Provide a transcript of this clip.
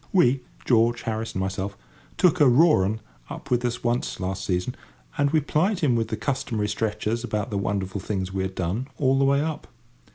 We—George, Harris, and myself—took a "raw 'un" up with us once last season, and we plied him with the customary stretchers about the wonderful things we had done all the way up.